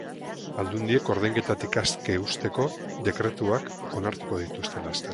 Aldundiek ordainketatik aske uzteko dekretuak onartuko dituzte laster.